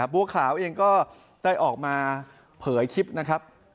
บัวขาวเองก็ได้ออกมาเผยคลิปนะครับ